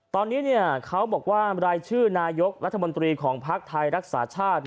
ตอนนี้เขาบอกว่ารายชื่อนายกรัฐมนตรีของภักดิ์ไทยรักษาชาติ